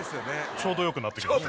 ちょうどよくなってきました